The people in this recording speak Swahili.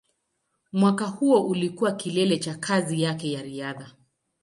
Mwaka huo ulikuwa kilele cha kazi yake ya riadha.